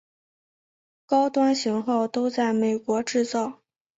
高端型号都在美国制造。